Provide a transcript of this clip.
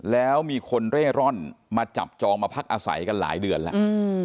แล้วมีคนเร่ร่อนมาจับจองมาพักอาศัยกันหลายเดือนแล้ว